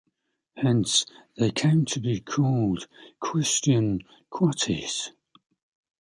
Hence, they came to be called "Christian quatties".